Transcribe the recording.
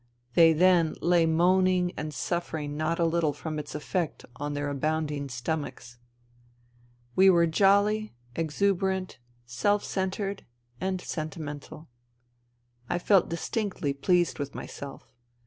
They then lay moaning and suffering not a little from its effect on their abounding stomachs. We were jolly, exuberant, self centred and senti mental. I felt distinctly pleased with myself.